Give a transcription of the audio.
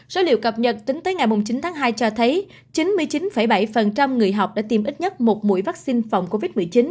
số liệu cập nhật tính tới ngày chín tháng hai cho thấy chín mươi chín bảy người học đã tiêm ít nhất một mũi vaccine phòng covid một mươi chín